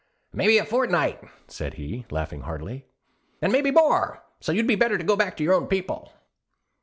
'Maybe a fortnight,' said he, laughing heartily. 'And maybe more, so you would better go back to your own people.'